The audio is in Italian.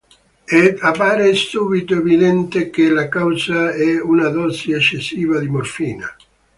Ed appare subito evidente che la causa è una dose eccessiva di morfina!